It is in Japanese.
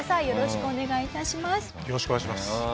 よろしくお願いします。